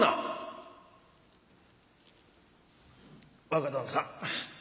若旦さん